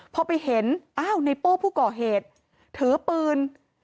พอไปเห็นอ้าวในโป้ผู้ก่อเหตุถือปืน